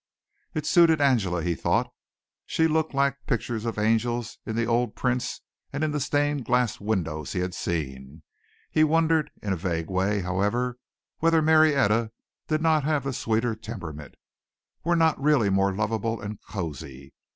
It suited Angela, he thought. She looked like pictures of Angels in the old prints and in the stained glass windows he had seen. He wondered in a vague way, however, whether Marietta did not have the sweeter temperament were not really more lovable and cosy.